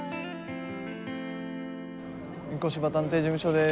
御子柴探偵事務所です。